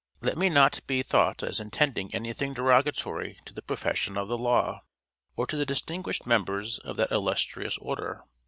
Let me not be thought as intending anything derogatory to the profession of the law, or to the distinguished members of that illustrious order.